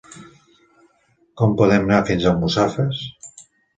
Com podem anar fins a Almussafes?